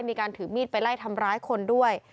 มีการถือมีดไปไล่ทำร้ายคนด้วย